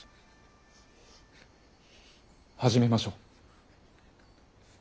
始めましょう。